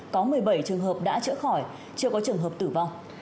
có một mươi bảy trường hợp đã chữa khỏi chưa có trường hợp tử vong